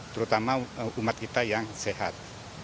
terutama umat kita yang sehat